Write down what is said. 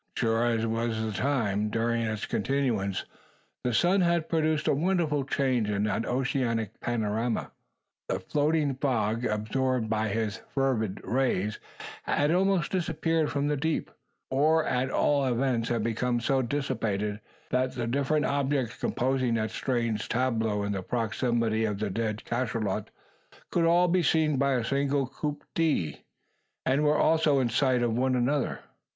But, short as was the time, during its continuance the sun had produced a wonderful change in that oceanic panorama. The floating fog, absorbed by his fervid rays, had almost disappeared from the deep, or at all events had become so dissipated that the different objects composing that strange tableau in the proximity of the dead cachalot could all be seen by a single coup d'oeil; and were also in sight of one another.